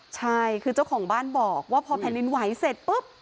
ใช่คือเจ้าของบ้านบอกว่าพอแผ่นดินไหวเสร็จปุ๊บ